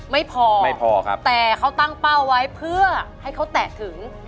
ไม่พอแต่เขาตั้งเป้าไว้เพื่อให้เขาแตะถึง